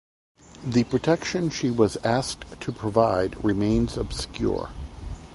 The protection she was asked to provide remains obscure.